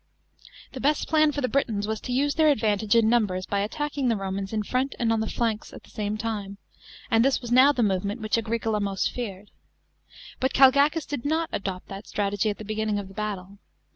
'I he lest plan for the Br'tons was to use their advantage in numbers by attacking the Romans in front and on the flanks at the same time; and this was the movement which Agricola most feared. But Calgacus did not a«'opt that strategy at the beginning of the battle.